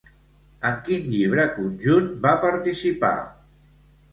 En quin llibre conjunt va participar?